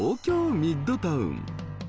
ミッドタウン